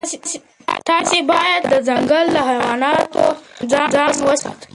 تاسي باید د ځنګل له حیواناتو ځان وساتئ.